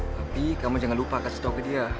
tapi kamu jangan lupa kasih tahu ke dia